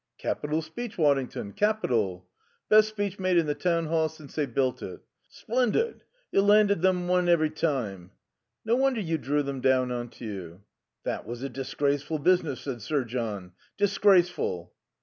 "Capital speech, Waddington, capital." "Best speech made in the Town Hall since they built it." "Splendid. You landed them one every time." "No wonder you drew them down on to you." "That was a disgraceful business," said Sir John. "Disgraceful."